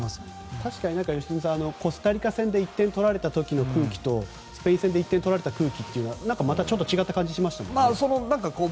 確かに良純さんコスタリカ戦で１点取られた時の空気とスペイン戦で１点取られた空気はまた違った感じがしましたね。